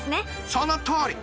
そのとおり！